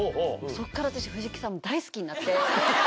そこから私、藤木さん、大好きになって。